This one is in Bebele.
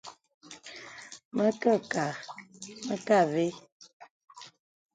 Mə kə kâ , mə kə avə́.